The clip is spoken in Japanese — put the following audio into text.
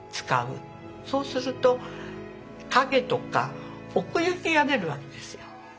そうすると陰とか奥行きが出るわけですよ。